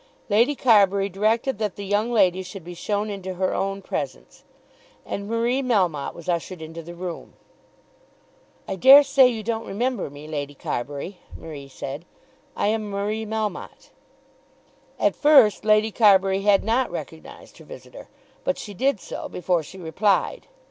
Lady Carbury directed that the young lady should be shown into her own presence, and Marie Melmotte was ushered into the room. "I dare say you don't remember me, Lady Carbury," Marie said. "I am Marie Melmotte." At first Lady Carbury had not recognised her visitor; but she did so before she replied.